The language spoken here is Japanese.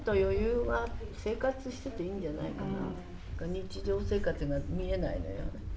日常生活が見えないのよ。